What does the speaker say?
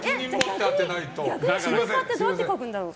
逆に、すいかってどうやって書くんだろう？